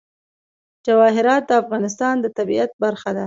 جواهرات د افغانستان د طبیعت برخه ده.